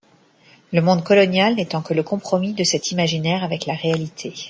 Le monde colonial n'étant que le compromis de cet imaginaire avec la réalité.